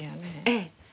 ええ。